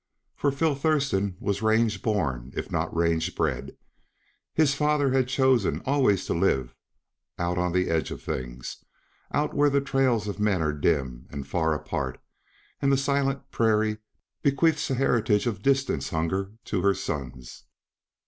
For Phil Thurston was range born, if not range bred, His father had chosen always to live out on the edge of things out where the trails of men are dim and far apart and the silent prairie bequeaths a heritage of distance hunger to her sons.